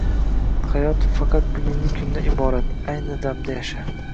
Hayot faqat bugungi kundan iborat. Ayni damda yasha.